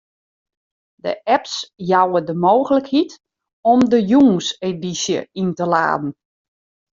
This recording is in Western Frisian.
De apps jouwe de mooglikheid om de jûnsedysje yn te laden.